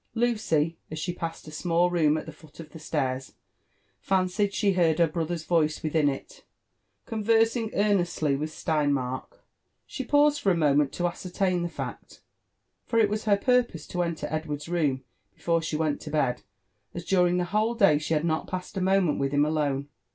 Lucy, as she passed a small room at the foot of the stairs, fancied she heard her brolher^s voice wilhin it, conversing earnestly with Sleinmark. She paused for a moment to ascertain the fact; for it was her purpose to enter Edward's room before she went to bed, as during the whole day she had not passed a moment with him alone.